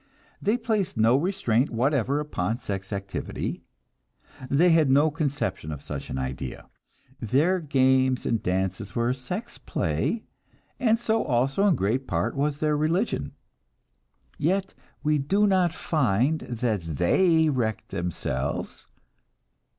They placed no restraint whatever upon sex activity, they had no conception of such an idea. Their games and dances were sex play, and so also, in great part, was their religion. Yet we do not find that they wrecked themselves.